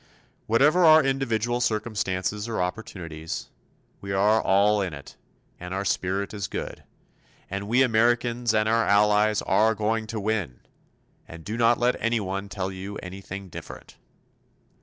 Whatever our individual circumstances or opportunities we are all in it, and our spirit is good, and we Americans and our allies are going to win and do not let anyone tell you anything different.